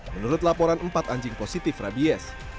menurut laporan empat anjing positif rabies